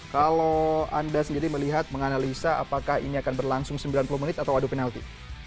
kalau anda sendiri melihat menganalisa apakah ini akan berlangsung sembilan puluh menit atau waduh penalti